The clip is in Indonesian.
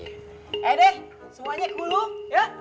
eh deh semuanya kuluh